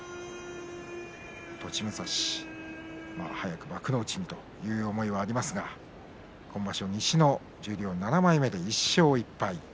栃武蔵、早く幕内にという思いはありますが今場所、西の十両７枚目で１勝１敗。